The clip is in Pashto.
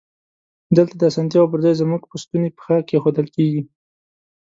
دلته د اسانتیاوو پر ځای زمونږ په ستونی پښه کېښودل کیږی.